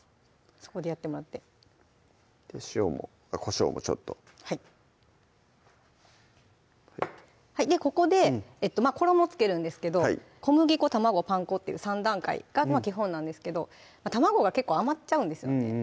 そこでやってもらって塩もこしょうもちょっとはいここで衣を付けるんですけど小麦粉・卵・パン粉っていう３段階が基本なんですけど卵が結構余っちゃうんですよね